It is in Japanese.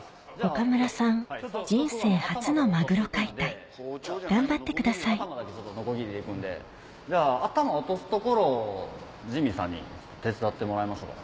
岡村さん人生初のマグロ解体頑張ってくださいじゃあ頭落とすところをジミーさんに手伝ってもらいましょうか。